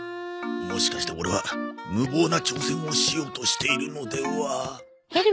もしかしてオレは無謀な挑戦をしようとしているのでは。